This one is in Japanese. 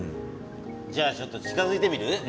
じゃあちょっと近づいてみる？